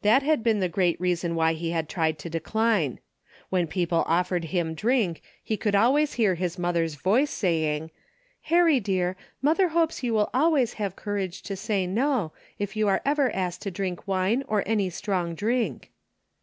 That had been the great reason why he had tried to decline. When people offered him drink, he could always hear his mother's voice saying, " Harry dear, mother hopes you will always have courage to say no, if you are ever asked to drink wine or any strong drink."